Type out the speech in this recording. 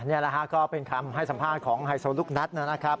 นี่แหละฮะก็เป็นคำให้สัมภาษณ์ของไฮโซลูกนัทนะครับ